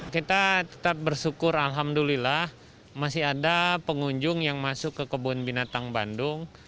kita tetap bersyukur alhamdulillah masih ada pengunjung yang masuk ke kebun binatang bandung